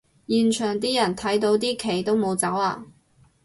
現場啲人睇到啲旗都冇走吖